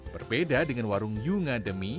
berbeda dengan warung yunga demi